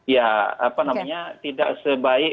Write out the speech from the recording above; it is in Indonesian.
ya apa namanya tidak sebaik